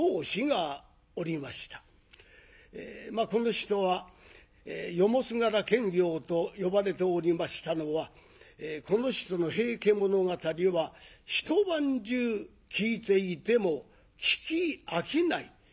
この人は「夜もすがら検校」と呼ばれておりましたのはこの人の「平家物語」は一晩中聞いていても聞き飽きない。